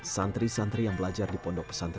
santri santri yang belajar di pondok pesantren